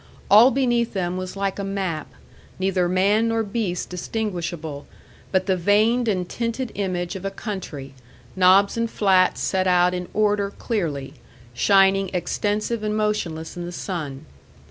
All beneath them was like a map: neither man nor beast distinguishable, but the veined and tinted image of a country, knobs and flats set out in order clearly, shining extensive and motionless in the sun.